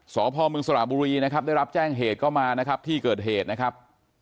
สพมสระบุรีนะครับได้รับแจ้งเหตุก็มานะครับที่เกิดเหตุนะครับ